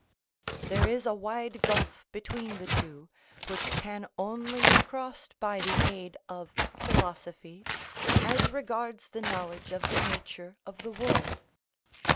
There is a wide gulf between the two, which can only be crossed by the aid of philosophy, as regards the knowledge of the nature of the world.